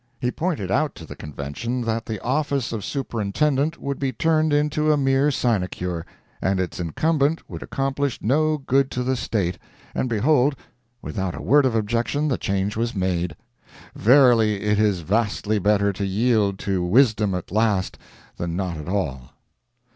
He pointed out to the Convention that the office of Superintendent would be turned into a mere sinecure, and its incumbent would accomplish no good to the State and behold, without a word of objection, the change was made! Verily, it is vastly better to yield to wisdom at last, than not at all.